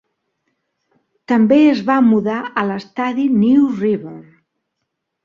També es van mudar a l'estadi New River.